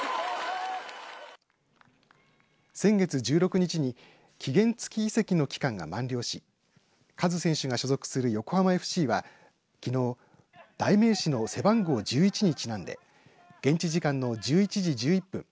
先月１６日に期限付き移籍の期間が満了しカズ選手が所属する横浜ＦＣはきのう、代名詞の背番号１１にちなんで現地時間の１１時１１分